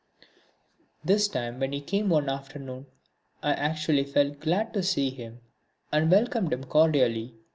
This time, when he came one afternoon, I actually felt glad to see him, and welcomed him cordially.